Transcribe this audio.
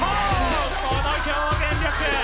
この表現力！